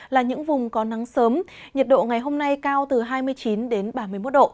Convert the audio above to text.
là những vùng có nắng sớm nhiệt độ ngày hôm nay cao từ hai mươi chín đến ba mươi một độ